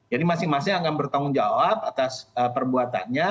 jadi masing masing akan bertanggung jawab atas perbuatannya